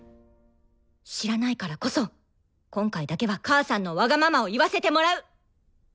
知らないからこそ今回だけは母さんのワガママを言わせてもらう！